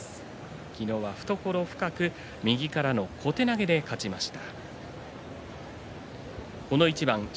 昨日は懐深く、右からの小手投げで勝ちました。